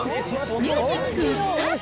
ミュージックスタート。